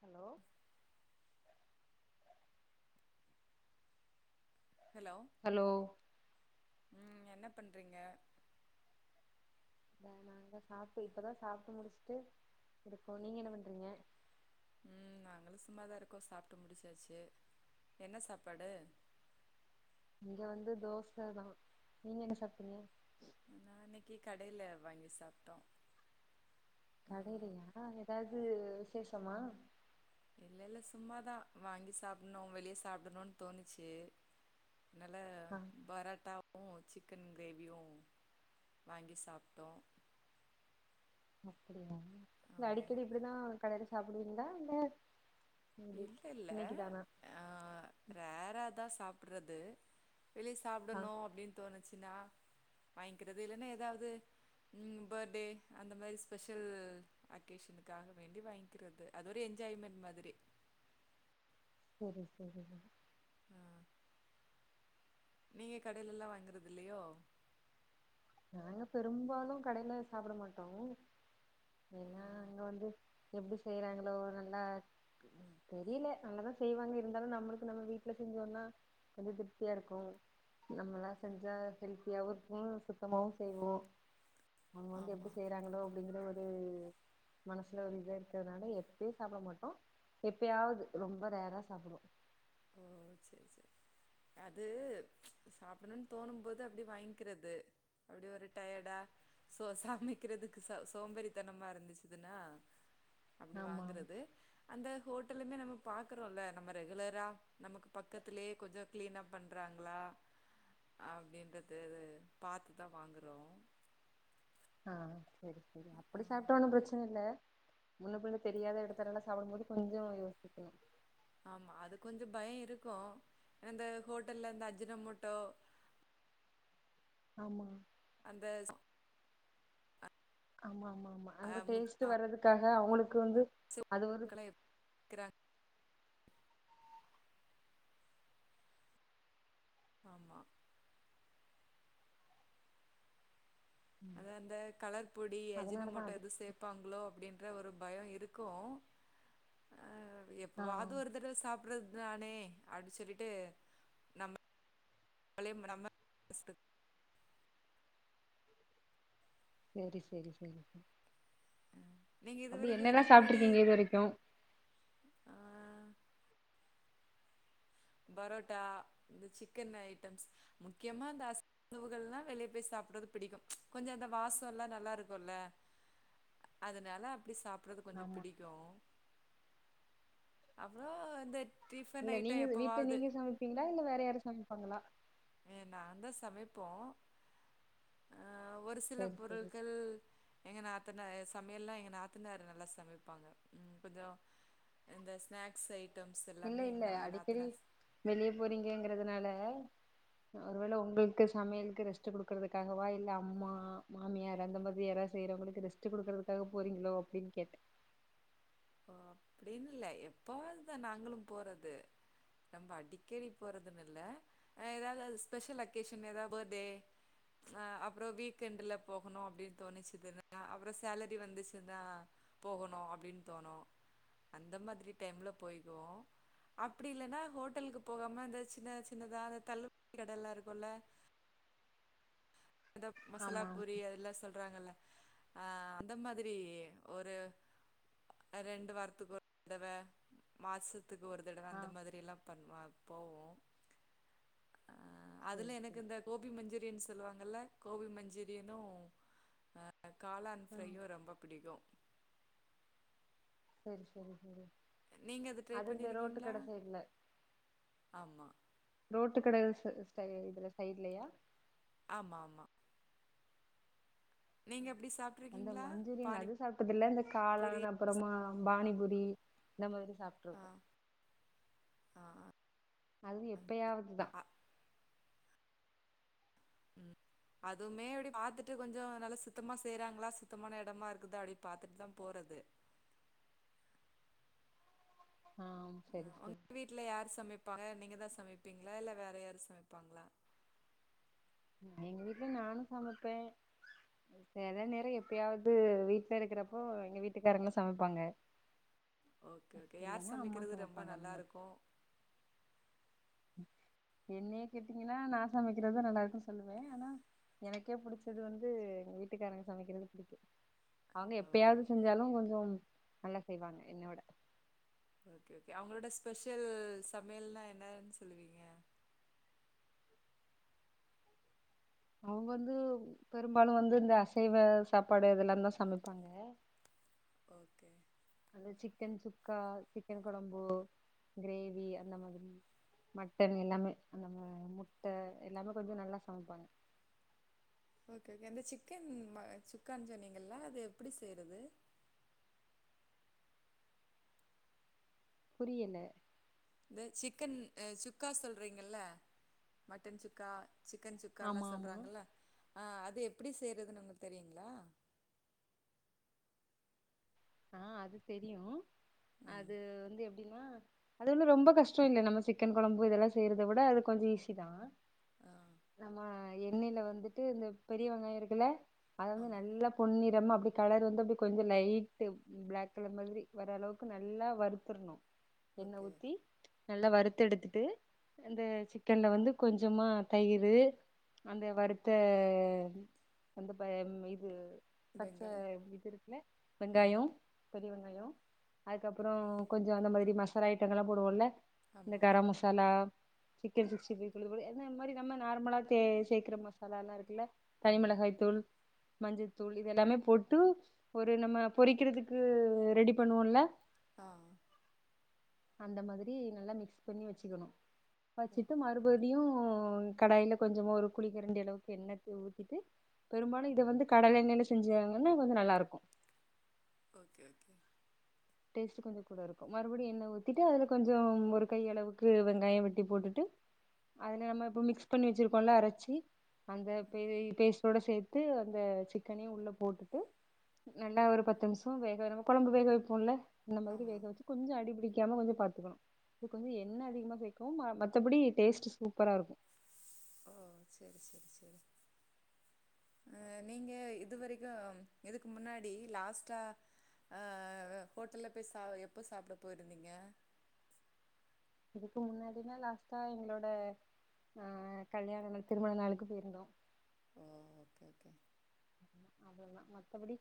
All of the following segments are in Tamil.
ஹலோ ஹலோ ஹலோ ம் என்ன பண்றீங்க அத நா தா சாப்ட்டு இப்பதா சாப்பிட்டு முடிச்சுட்டு இருக்கோ நீங்க என்ன பண்றீங்க ம் நாங்களு சும்மாதா இருக்கோ சாப்ட்டு முடிச்சாச்சு என்ன சாப்பாடு இங்க வந்து தோச தா நீங்க என்ன சாப்டிங்க இன்னைக்கு கடைல வாங்கி சாப்ட்டோ ஆ கடைலயா ஏதாவது விசேஷமா இல்ல சும்மாதா வாங்கி சாப்டணு வெளிய சாப்டணு தோணுச்சு அதால ஆ பரோட்டாவு வு சிக்கன் கிரேவியு வாங்கி சாப்ட்டோ அப்டியா இல்ல ஆமாமா அடிக்கடி இப்டிதா கடைல சாப் டுவீங்ளா இல்ல எப்டி இல்ல இல்ல இன்னைக்கு தானா அ ரேராதா சாப் ப்டறது வெளிய ஆ சாப்பிடணு அப்டின்னுதோணுச் ச்னா வாங்கிக்கிறது இல்லனா ஏதாவது ம் பர்த்டே அந்த மாரி ஸ்பெஷல் அக்கேஷனுக்காக வேண்டி வாங்கிக்கிறது அது ஒரு என்ஜாய்மெண்ட் மாதிரி சரி சரி நீங்க கடைலல்லா வாங்கறது இல்லையோ நாங்க பெரும்பாலு கடைல சாப்பட மாட்டோ ஓ ஏனா அங்க வந்து எப்டி செய்யறாங்களோ நல்லா தெரியல நல்லாதா செய்வாங்க இருந்தாலு நம்மளுக்கு நம்ம வீட்ல செஞ்சோனா கொஞ்சம் திருப்தியா இருக்கு நம்மல்லா செஞ்சா ஹெல்த்தியாவும் இருக்கு சுத்தமாவு செய்வோ அவங்க எப்டி ஆமா செய்யறாங்களோ அப்படிங்கற ஒரு ஒரு மனசுல ஒரு இத இருக்கிறதுனால எப்பயே சாப்பிட மாட்டோ எப்பயாவது ரொம்ப ரேரா சாப்பிடுவோ ஓ சரி சரி அது சாப்புண்ணுன் தோணும் போது அப்டி வாங்கிக்கிறது அப்டி ஒரு டயர்டா சோ சமைக்கிறதுக்கு ச சோம்பேரித்தனமா இருந்துச்சுதுன்னா அப்டி ஆமா வாங்குறது அந்த ஹோ ட்டலுமே நம்ம பாக்குறோல்ல நம்ம ரெகுலரா நமக்கு பக்கத்துலயே கொஞ்ச கிளீனா பண்றாங்களா அப்டின்றது பாத்துதா வாங்குறோ ஆ சேரி சேரி அப்பிடி சாப்ட்டா ஒன்னு பிரச்சன இல்ல முன்ன பின்ன தெரியாத எடத்துலல்லா‌ சாப்புடும் போது கொஞ்ச யோசிக்கணு ஆமா அது கொஞ்ச பய இருக்கு‌ ‌அந்த ஹோட்டல்ல அந்த அஜினமொட்டோ ஆமா அந்த ஆமாமா ஆமா அங்க அஹ், டேஸ்ட்டு முக்கியம், வர்றதுக்கா க அவுங்களுக்கு வந்து அது ஒரு [unintelligible] ஆமா அது அந்த கலர் பொடி அதனாலதா அஜினமொட்டொ அது எது சேப்பாங்களோ அப்டின் ற ஒரு பய இருக்கு அ ஆ எப்பவாது ஒரு தடவ சாப் புர்றது தானே அப்டி சொல்லிட்டு நம்மளே நம்ம [inaudible] சேரி சேரி சேரி நீங்க இது அப்டி வரைக்கு என்னல்லா இதுக்கு முன்னாடி சாப்ட்ருக்கீங்க இது வரைக்கு ஆ பரோட்டா இந்த சிக்கன் ஐட்டம்ஸ் முக்கியமா அந்த அசைவ உணவுகள்லா வெளிய போய் சாப்புறது பிடிக்கும் கொஞ்ச‌ அந்த வாசல்லா நல்லாருக்குல்ல அதுனால அப்டி சாப் புறது கொஞ்ச ஆமா பிடிக்கு அப்றோ அந்த இல்ல நீங்கது வீட் ல சமப்பீங்ளா இல்ல வேற யாரு சமைப்பாங்களா? ஆ ஏ நாந்தா சமைப்போ அ ஒரு சில சேரி சேரி பொருள்கள் எங்க நா த்தனா சமையல்லா‌ எங்க நாத்தனார் நல்லா சமைப்பாங்க கொஞ்ச இந்த ஸ்நாக்ஸ் ஐ இல்ல இல்ல அடிக்கடி வெளிய போறீங்கங்கிறதுனால ஒருவேள ஒங்கள்க்கு சமையலுக்கு ரெஸ்ட் குடுக்குறதுக்காகவா இல்ல அம்மா மாமியார் அந்த மாதிரி யாரா செய்றவுங்களுக்கு ரெஸ்ட் குடுக்குறதுக்காக போறீங்களோ அப்டின் கேட்டே ஓ அப்டின் இல்ல எப்பவாதுதா நாங்களும் போறது நம்ப அடிக்கடி போறதுன் இல்ல அ எதாவ்து அது ஸ்பெஷல் அகேஷன் எதா பர்த்டே அ அப்றொ வீக்கெண்டுல போகணு அப்டின் தோணிச்சிதுன்னா அப்பறொ சேலரி வந்துச்சுன்னா போகணு அப்டின் தோணு அந்த மாதிரி டைம்ல போய்க்குவோ அப்டி இல்லன்னா ஹோட்டல்க்கு போகாம இந்த சின்ன சின்னதா அந்த தள்ளு வண்டி கடல்லா இருக்குல்ல அந்த மசாலா ஆமா பூரி அதெல்லா சொல்றாங்கல்ல அ அந்த மாதிரி ஒரு அ ரெண்டு வாரத்துக் ஒரு [inaudible] மாச த்துக்கு ஒரு தடவ ஆமா ஆ அந்த மாதிரில்லா பண்ணுவா போவொ ஆ சேரி அதுல சேரி எனக்கு இந்த கோபி மஞ்சூரியன் சொல்லுவாங் கள்ல கோபி மஞ்சூரியனு அ காளான் ஆ ஃப்ரையு ரொம்ப பிடிக்கு சேரி செரி செரி நீங்க ட்ரை அது இந்த ரோட்டு பண்ணிருக்கீங்களா கட சைட்ல ஆமா ரோட்டு கட ஸ்டை இதுல சைட்லயா ஆமா ஆமா நீங்க அப்டி அந்த சாப்ட்ருக்கீங்களா மஞ்சூரியன் அது சாப்டதில்ல இந்த பானிபூரி காளான் அப்றமா பானிபு ரி‌ இந்த மாதிரி ஆ சாப்ட்ருக்கோ ஆ ஆ அது எப்பயாவதுதா ஆ, ம் அதுவ்மே அப்டி பாத்துட்டு கொஞ்சொ நல்லா சுத்தமா செய்றாங்களா சுத்தமான எடமா இருக்குதா அப்டி பாத்துட்டுதா போறது ஆ செரி செரி ப்பாங்க நீங்க தா சமைப்பீங்ளா இல்ல வேற யாரு சமைப்பாங்ளா? எங்க வீட்ல நானு சமப்பே செல நேர எப்பயாவ்து வீட்ல இருக்கிறப்போ எங்க வீட்டுக்காரங்க சமப்பாங்க ஓகே ஓகே யார் சமக்கிறது ரொம்ப சமைப்பாங்க அந்த மாரி நல்லாருக்கு என்னைய கேட்டீங்கன்னா நா சமக்கிறதா நல்லா இருக்குன் சொல்லுவே ஆனா எனக்கே புடுச்சது வந்து எங்க வீட்டுக்காரங்க சமைக்கிறது புடிக்கு அவுங்க ஓ எப்பயாவ்து செஞ்சாலு கொஞ்சொ நல்லா செய்வாங்க என்னயோட ஓகே ஓகே அவுங்களோட ஸ்பெஷல் சமையல்னா என்னான் சொல்லுவீங்க அவுங்க வந்து பெரும்பாலு‌வந்து இந்த அசைவ சாப்பாடு இதெல்லாந்தா சமைப்பாங்க ஓகே அந்த சிக்கன் சுக்கா சிக்கன் கொழம்பு கிரேவி அந்த மாதிரி மட்டன் எல்லாமே அந்த ம முட்ட எல்லாமே கொஞ்ச நல்லா சமைப்பாங்க ஓகே ஓகே அந்த சிக்கன் ம சுக்கான் சொன்னீங்கள்ல அத எப்புடி செய்றது புரியல இந்த சிக்கன் சுக்கா சொல்றீங்கல்ல மட்டன் சுக்கா சிக்கன் சுக்கான்லா ஆமா ஆமா சொல்றாங்கள்ல ஆ அது எப்டி செய்றதுன் உங்ளுக் தெரியுங்ளா? ஆ அது தெரியு ஆ அது வந்து எப்டின்னா அது ஒன்னு ரொம்ப கஷ்டொ இல்ல நம்ம சிக்கன் கொழம்பு இதெல்லா செய்றத விட அது கொஞ்ச ஈஸிதா ஆ நம்ம எண்ணெய்ல வந்துட்டு இந்த பெரிய வெங்காய இருக்குல்ல அத வந்து ஆமா நல்லா பொன்னிறமா அப்டி கலர் வந்து அப்டி கொஞ்ச லை ட்டு பிளாக் கலர் மாதிரி வர அளவுக்கு நல்லா வறுத்துர்ணு எண்ண ஓகே ஊத்தி நல்லா வறுத்தெடுத்துட்டு அந்த சிக்கன்ல வந்து கொஞ்சமா தயிரு அந்த வறுத்த வந்த ‌பம் இது பச்ச வெங்காயம் இது இருக்குல ஆ வெங்காயம் பெரிய வெங்காயம் அதுக்கப்றோ கொஞ்சோ அந்த மாதிரி மசாலா ஐட்டங்கள் எல்லா போடுவோம்ல இந்த ஆமா கர மசாலா சிக்கன் சிக்ஸ்டி பைவ் பொடி எந்த மாதிரி நம்ம நார்மலா சே சேக்கிற மசாலாலாம் இருக்குல்ல ஆமா தனிமிளகா தூள் மஞ்ச தூள் இதெல்லாமே போட்டு ஒரு நம்ம பொறிக்கிறதுக்கு ரெடி பண்ணுவோல ஆ அந்த மாதிரி நல்லா மிக்ஸ் பண்ணி வச்சிக்கணும் ஓ வச்சிட்டு மறுபடியும் கடாயில கொஞ்சமா ஒரு குளி கரண்டிய அளவுக்கு எண்ணெயத்த ஊற்றிட்டு பெரும்பாலும் இத வந்து கடலை எண்ணெய்ல செஞ்சாங்கன்னா கொஞ்சோ நல்லா இருக்கும் ஓகே [unintelligible] கொஞ்சம் கூட இருக்கும் மறுபடியும் எண்ணெய ஊற்றிட்டு அதில கொஞ்சம் ஒரு கைய அளவுக்கு வெங்காயம் வெட்டி போட்டுட்டு அதில் நம்ம இப்போ மிக்ஸ் பண்ணி வச்சுக்கோம்ல அரைச்சி அந்த பேஸ்ட்டோடு சேர்த்து அந்த சிக்கனையும் உள்ள போட்டுட்டு நல்லா ஒரு பத்து நிமிஷம் வேக நம்ம கொழம்பு வேக வைப்போம்ல நம்ம வந்து ஆமா வேக வச்சு கொஞ்சோ அடி பிடிக்காம கொஞ்சம் பாத்துக்கணும் இது கொஞ்சம் எண்ணெய் அதிகமா சேர்கோம் மற்றபடி டேஸ்ட் சூப்பரா இருக்கும் ஓ செரி செரி செரி அ நீங்க இதுவரைக்கும் இதுக்கு முன்னாடி லாஸ்ட்டா ஆ ஹோட்டல்ல போய் எப்போ சாப்பிட போயிருந்தீங்க இதுக்கு முன்னாடினா லாஸ்ட்டா எங்களோட ஆ கல்யாண திருமண நாளுக்கு போயிருந்தோம் அ ஓகே ஓகே [inaudible] மத்தபடி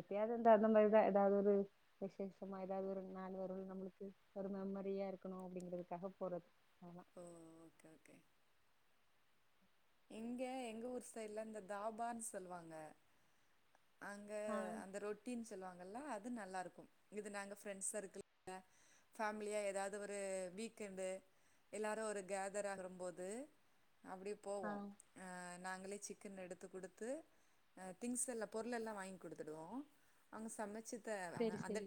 எப்பயாது இந்த அந்த மாரி தா ஏதாது ஒரு விசேஷமா ஏதாது ஒரு நாள் வரும் நம்மளுக்கு ஒரு மெம்மரியா இருக்கணும் அப்டிங்கிறதுக்காக போறது ஆமா ஓ ஓகே ஓகே இங்க எங்க ஊர் சைடுல இந்த தாபான்னு சொல்லுவாங்க அங்க ஆ அந்த ரொட்டின்னு சொல்லுவங்க அது நல்லா இருக்கும் இது நாங்க ஃப்ரெண்ட் சர்க்கிள்ல ஃபேமிலியா ஏதாது ஒரு வீக்கெண்டு எல்லாரு ஒரு கேதர் ஆகும் போது அப்டியே ஆ போவோம் ஆ நாங்களே சிக்கன் எடுத்து குடுத்து திங்ஸ் எல்லா பொருள் எல்லா வாங்கி குடுத்துடுவோம் அங்க சமைச்சி செரி செரி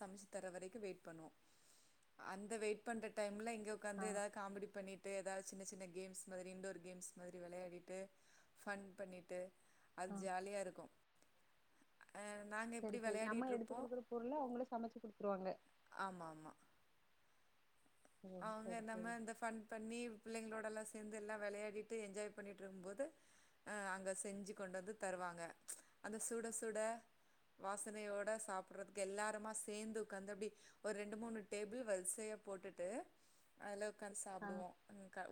சமைச்சி தர வரைக்கும் வெயிட் பண்ணுவோ அந்த வெயிட் பண்ற டைம்ல இங் க ஆ உக்காந்து ஏதாது காமெடி பண்ணி ட்டு ஏதாது சின்ன சின்ன கேம்ஸ் மாதிரி இன்டோர் கேம்ஸ் மாதிரி வெளையாடிட்டு ஃபன் பண்ணிட்டு அத் ஆ ஜாலியா இருக் செரி இப்டி செரி நம்ம எடுத்துக் வெளையாடிட்ருப்போ குடுக்குற பொருள அவுங்களே சமைச்சி குடுத்துருவாங்க ஆமா ஆமா ஓ அவுங்க செரி நம்ம செரி இந்த ஃபண் பண்ணி பிள்ளைங்களோடெல்லாம் சேர்ந்து எல்லா வெளையாடிட்டு என்ஜாய் பண்ணிகிட்டு இருக்கும்போது அங்க செஞ்சு கொண்டு வந்து தருவாங்க அந்த சுட சுட வாசனையோட சாப்பிட்றதுக்கு எல்லாருமா சேர்ந்து உக்காந்தப்படி ஒரு ரெண்டு மூணு டேபிள் வரிசையா போட் டு அதுல ஆ சாப்பிடுவோ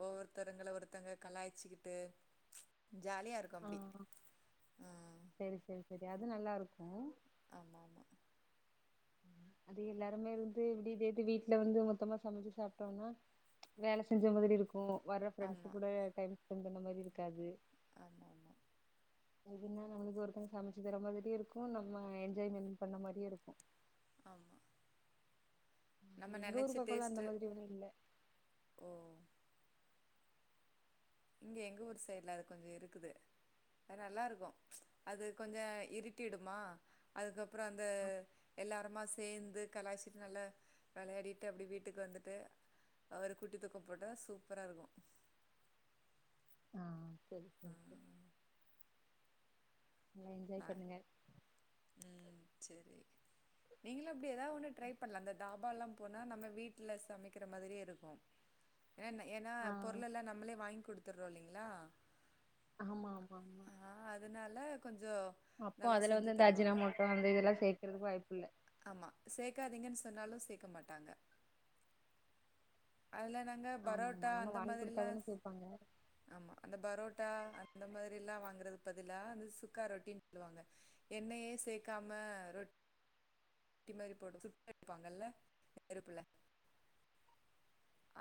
ஒவ்வொருத்தருங்கள ஒருத் தங்கல கலாய்ச்சிக்கிட்டு ஜாலியா இருக்கு ஆ அப்டி ஆ செரி செரி செரி அது நல்லாருக் கு ஆமா ஆமா அது எல்லாருமே இருந்து இப்டி [unintelligible] வீட்ல வந்து மொத்தமா சமச்சு சாப்ட்டோம்னா வேல செஞ்ச மாதிரி இருக் கு‌ வர ஃபிரண்ட்ஸு ஆமா கூட டைம் ஸ்பென் பண்ண மாரி இருக்காது ஆமாமா இதுன்னா நம்மளுக்கு ஒருத்தங்க சமச்சு தர மாதிரியு இருக்கு நம்ம என்ஜாய்மெண்ட் பண்ண மாரியு இருக்கு ஆமா நம்ம எங்க நெனச்ச ஊர் பக்கம்லா அந்த டேஸ்ட்டு மாதிரி ஒன்னு இல்ல ஓ இங்க எங்க ஊர் சைட்ல அது கொஞ்ச இருக்குது அது நல்லாருக்கு அது கொஞ்ச இருட்டிடுமா அதுக்கப் ற அந்த எல்லாரு மா சேந்து கலாச்சிட்டு நல்லா வெளயாடிட்டு அப்டி வீட்டுக்கு வந்துட்டு ஒரு குட்டி தூக்க போட்டா சூப்பரா இருக்கு ஆ செரி ஆ செரி செ ந பண்ணுங்க ம் செரி நீங்களு இப்டி எதா ஒன்னு ட்ரை பண்லா இந்த தாபால்லாம் போனா நம்ம வீட்ல சமக்கிற மாதிரியே இருக்கு என்‌ ஏனா ஆ பொருளெல்லா நம்மளே வாங்கி குடு த்துர்றோ இல்லிங்லா ஆமா ஆமா ஆ அதுனால அப்போ அதுல வந்து இந்த அஜினாமோட்டொ அந்த இதுலா சேக்குறதுக்கு வாய் பில்ல ஆமா சேக்காதீங்கன் சொன்னாலு சேக்க மாட்டாங்க அதுல நாங்க ஆமா ஆமா பரோட்டா நம்ம அந்த வாங்கி மாதிரிலா குடுத்தாதான கேப்பாங்க ஆமா அந்த பரோட்டா அ ந்த மாரில்லா வாங்குறதுக் பதிலா இந்த சுக்கா ரொட்டின் [inaudible] எண்ணயே சேக்காம ரொட் டி மாரி போட்டா சுட்டு எடுப்பாங்கல்ல நெருப்புல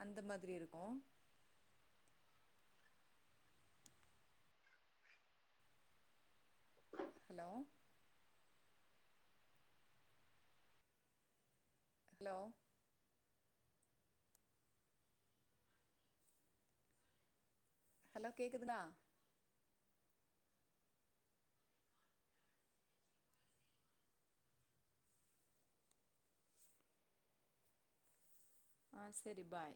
அந்த மாதிரி இருக்கு ஹலோ ஹலோ ஹலோ கேக்குதுங்ளா ஆ செரி பாய்